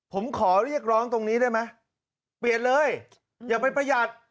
ผมขอเรียกร้องตรงนี้ได้ไหมเปลี่ยนเลยอย่าไปประหยัด